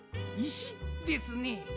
いし？ですね。